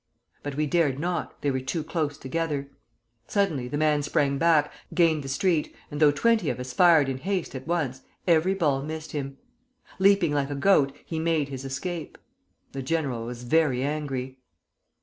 But we dared not, they were too close together. Suddenly the man sprang back, gained the street, and though twenty of us fired in haste at once, every ball missed him. Leaping like a goat, he made his escape. The general was very angry.